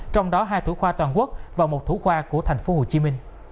trong đó hai thủ khoa toàn quốc và một thủ khoa của tp hcm